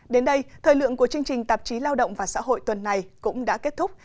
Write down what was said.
đến đây thời lượng của chương trình tạp chí lao động và xã hội tuần này cũng đã kết thúc